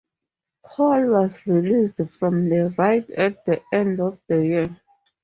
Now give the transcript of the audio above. Hall was released from the ride at the end of the year.